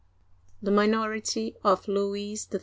THE MINORITY OF LOUIS XIII.